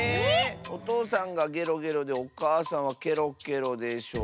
おとうさんがゲロゲロでおかあさんはケロケロでしょ。